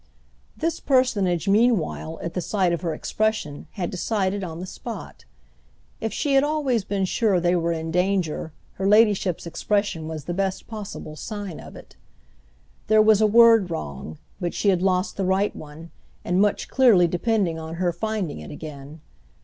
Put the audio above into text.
This personage, meanwhile, at the sight of her expression, had decided on the spot. If she had always been sure they were in danger her ladyship's expression was the best possible sign of it. There was a word wrong, but she had lost the right one, and much clearly depended on her finding it again.